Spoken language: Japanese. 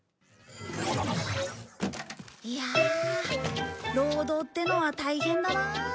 いや労働ってのは大変だな。